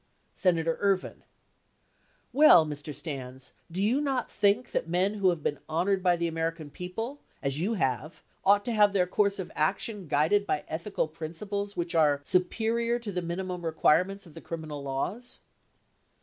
Senator Ervin. Well, Mr. Stans, do you not think that men who have been honored by the American people, as you have, ought to have their course of action guided by ethical prin ciples which are superior to the minimum requirements of the criminal laws?